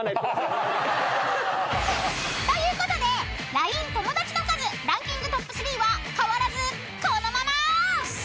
［ということでＬＩＮＥ友だちの数ランキングトップ３は変わらずこのまま］